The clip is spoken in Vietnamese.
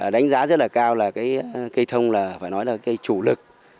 đánh giá rất là cao là cái cây thông là phải nói là cây chủ lực